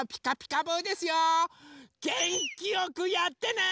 げんきよくやってね！